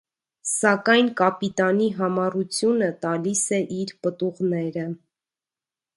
Սակայն կապիտանի համառությունը տալիս է իր պտուղները։